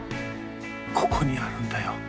ここにあるんだよ。